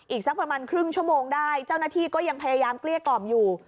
อีกสักประมาณครึ่งชั่วโมงได้เจ้าหน้าที่ก็ยังพยายามเกลี้ยกล่อมอยู่